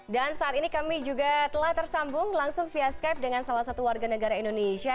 dan saat ini kami juga telah tersambung langsung via skype dengan salah satu warga negara indonesia